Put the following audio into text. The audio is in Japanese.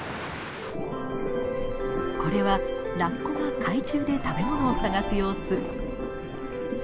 これはラッコが海中で食べものを探す様子。